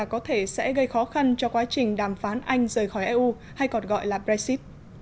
có quyền cư trị